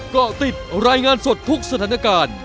เกาะติดรายงานสดทุกสถานการณ์